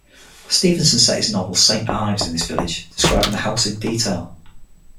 Stevenson set his novel "Saint Ives" in this village, describing the house in detail.